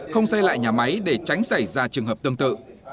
không xây lại nhà máy để tránh xảy ra trường hợp tương tự